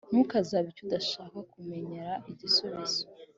Ntukabaze icyo udashaka kumenyera igisubizo